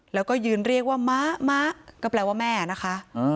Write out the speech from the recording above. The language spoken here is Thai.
แล้วก็ยืนเรียกว่ามะมะก็แปลว่าแม่นะคะ